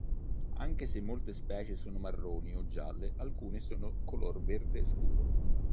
Anche se molte specie sono marroni o gialle, alcune sono color verde scuro.